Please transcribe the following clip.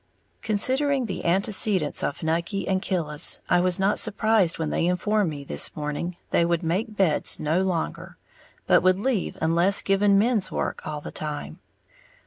_ Considering the antecedents of Nucky and Killis, I was not surprised when they informed me this morning they would make beds no longer, but would leave unless given men's work all the time.